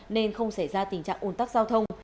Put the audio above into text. nên không xảy ra tình trạng ồn tắc giao thông